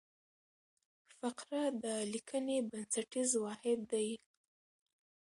فقره د لیکني بنسټیز واحد دئ.